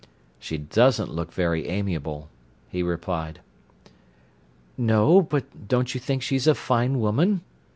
"She doesn't look very amiable," he replied. "No, but don't you think she's a fine woman?"